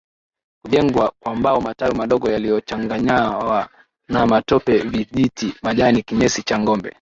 Hujengwa kwa mbao matawi madogo yaliyochanganywa na matope vijiti majani kinyesi cha ngombe